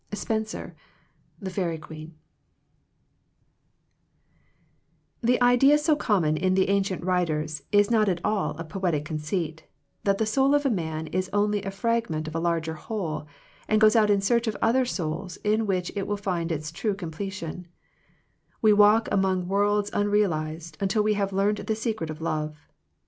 " Spbmsbr, Tbe Faerie Queeme, Digitized by VjOOQIC THE MIRACLE OF FRIENDSHIP H |HE idea, so common in the an cient writers, is not all a poetic conceit, that the soul of a man is only a fragment of a larger whole, and goes out in search of other souls in which it will find its true com pletion. We walk among worlds un realized, until we have learned the secret of love.